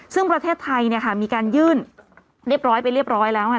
ซึ่งประเทศไทยมีการยื่นเรียบร้อยไปเรียบร้อยแล้วไง